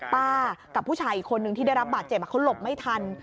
กับผู้ชายอีกคนนึงที่ได้รับบาดเจ็บเขาหลบไม่ทัน